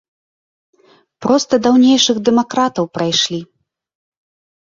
Проста даўнейшых дэмакратаў прайшлі.